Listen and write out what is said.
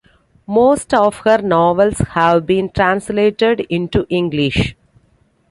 Most of her novels have been translated into English.